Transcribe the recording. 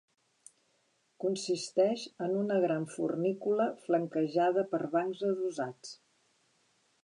Consisteix en una gran fornícula flanquejada per bancs adossats.